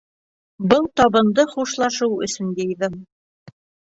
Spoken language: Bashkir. Был табынды хушлашыу өсөн йыйҙым.